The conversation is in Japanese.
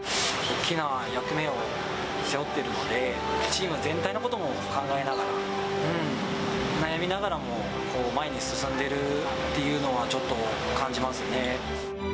大きな役目を背負ってるので、チーム全体のことも考えながら、悩みながらも前に進んでるっていうのはちょっと感じますね。